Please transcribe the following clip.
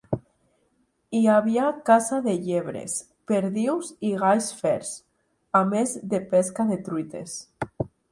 Hi havia caça de llebres, perdius i galls fers, a més de pesca de truites.